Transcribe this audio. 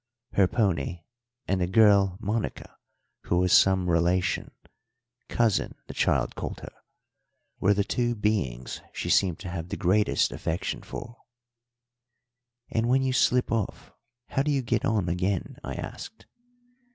Her pony and the girl Monica, who was some relation cousin, the child called her were the two beings she seemed to have the greatest affection for. "And when you slip off, how do you get on again?" I asked.